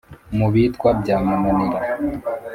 mu bitwa bya munanira.